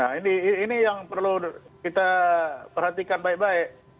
nah ini yang perlu kita perhatikan baik baik